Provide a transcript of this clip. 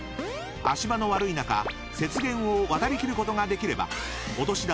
足場の悪い中雪原を渡り切ることができればお年玉